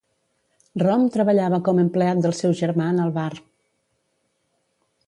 Rom treballava com empleat del seu germà en el bar.